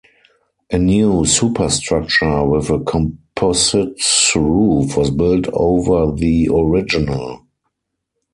A new superstructure with a composite roof was built over the original.